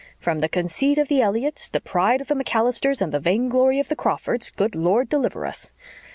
'From the conceit of the Elliotts, the pride of the MacAllisters and the vain glory of the Crawfords, good Lord deliver us.'